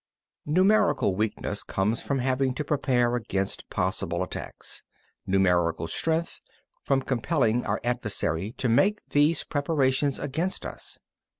18. Numerical weakness comes from having to prepare against possible attacks; numerical strength, from compelling our adversary to make these preparations against us.